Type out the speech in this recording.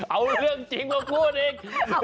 เอาเรื่องจริงมาพูดอีก